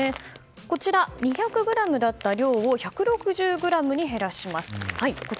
こちら、２００ｇだった量を１６０ｇに減らします。